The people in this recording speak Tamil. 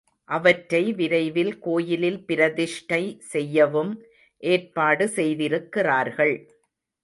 அவற்றை விரைவில் கோயிலில் பிரதிஷ்டை செய்யவும் ஏற்பாடு செய்திருக்கிறார்கள்.